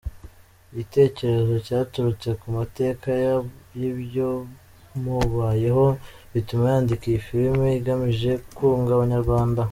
Igitekerezo cyaturutse ku mateka y’ibyamubayeho, bituma yandika iyi Filime igamije kunga Abanyarwanda.